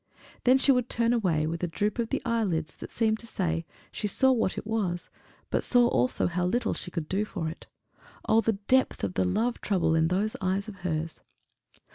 Then she would turn away with a droop of the eye lids that seemed to say she saw what it was, but saw also how little she could do for it. Oh the depth of the love trouble in those eyes of hers!